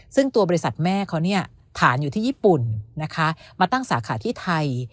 ซึ่งตัวบริษัทแม่เขาเนี่ยฐานอยู่ที่ญี่ปุ่นนะคะมาตั้งสาขาที่ไทย